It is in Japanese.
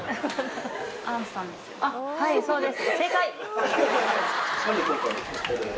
はいそうです。